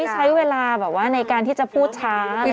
ใช้เวลาแบบว่าในการที่จะพูดช้าอะไรอย่างงี้